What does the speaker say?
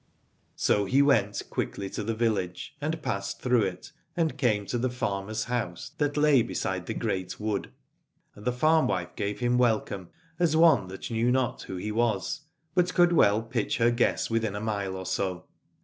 So he went quickly to the village, and 14 Aladore passed through it and came to the farmer's house that lay beside the great wood : and the farmwife gave him welcome, as one that knew not who he was, but could well pitch her guess within a mile or so.